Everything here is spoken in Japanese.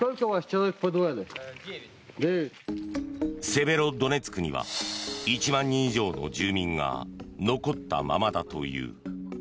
セベロドネツクには１万人以上の住民が残ったままだという。